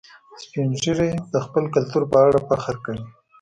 سپین ږیری د خپل کلتور په اړه فخر کوي